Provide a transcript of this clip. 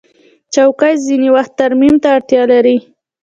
چوکۍ ځینې وخت ترمیم ته اړتیا لري.